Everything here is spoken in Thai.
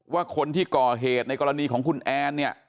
ว่าคนที่ก่อเหตุในกรณีของคุณแอนเนี่ย